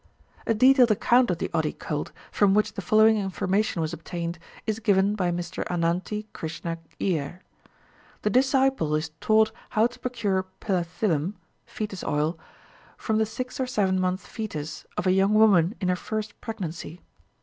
A detailed account of the odi cult, from which the following information was obtained, is given by Mr Anantha Krishna Iyer. The disciple is taught how to procure pilla thilum (foetus oil) from the six or seven months foetus of a young woman in her first pregnancy.